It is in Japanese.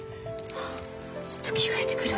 はあちょっと着替えてくるわ。